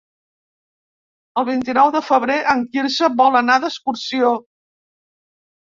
El vint-i-nou de febrer en Quirze vol anar d'excursió.